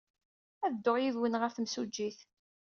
Ad dduɣ yid-wen ɣer temsujjit.